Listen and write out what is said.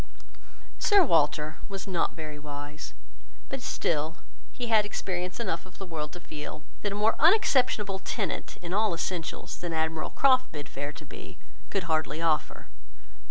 Sir Walter was not very wise; but still he had experience enough of the world to feel, that a more unobjectionable tenant, in all essentials, than Admiral Croft bid fair to be, could hardly offer.